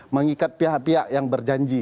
mengikat pihak pihak yang berjanji